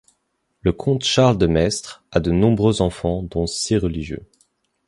Le comte Charles de Maistre a de nombreux enfants dont six religieux.